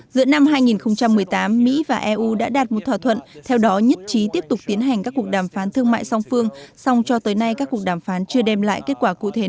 giữa năm hai nghìn một mươi tám mỹ và eu đã đạt một thỏa thuận theo đó nhất trí tiếp tục tiến hành các cuộc đàm phán thương mại song phương song cho tới nay các cuộc đàm phán chưa đem lại kết quả cụ thể nào